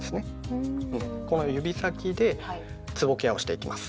この指先でつぼケアをしていきます。